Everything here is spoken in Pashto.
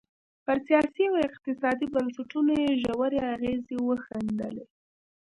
پر سیاسي او اقتصادي بنسټونو یې ژورې اغېزې وښندلې.